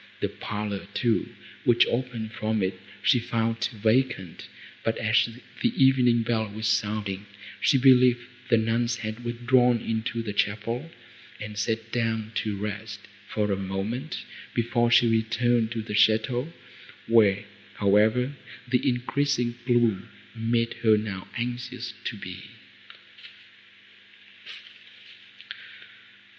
The parlour too, which opened from it, she found vacant, but, as the evening bell was sounding, she believed the nuns had withdrawn into the chapel, and sat down to rest, for a moment, before she returned to the château, where, however, the increasing gloom made her now anxious to be.